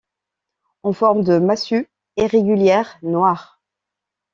En forme de massue irrégulière noire.